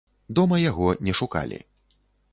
Дома яго не шукалі.